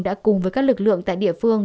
đã cùng với các lực lượng tại địa phương